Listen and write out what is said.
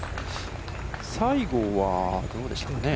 西郷はどうでしょうか。